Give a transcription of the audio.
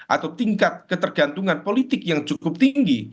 atau tingkat ketergantungan politik yang cukup tinggi